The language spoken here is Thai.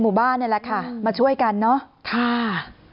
หมู่บ้านแล้วค่ะมาช่วยกันเนาะ